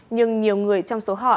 nhưng nhiều người trong số họ